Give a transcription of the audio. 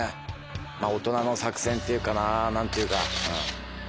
大人の作戦っていうかななんていうか。